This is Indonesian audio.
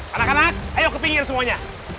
anak anak ayo ke pinggir semuanya